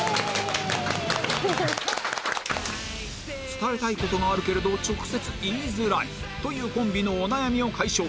伝えたい事があるけれど直接言いづらいというコンビのお悩みを解消